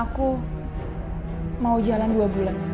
aku mau jalan dua bulan